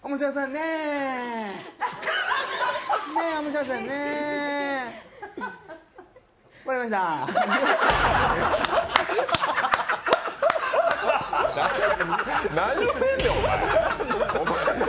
なんしてんねん、お前。